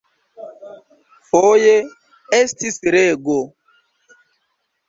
Foje estis rego.